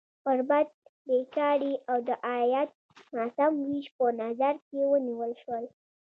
غربت، بېکاري او د عاید ناسم ویش په نظر کې ونیول شول.